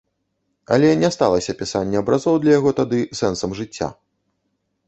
Але не сталася пісанне абразоў для яго тады сэнсам жыцця.